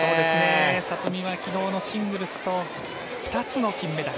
里見はきのうのシングルスと２つの金メダル。